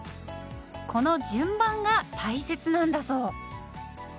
この順番が大切なんだそう。